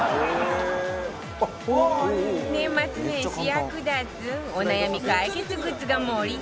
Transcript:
年末年始役立つお悩み解決グッズが盛りだくさん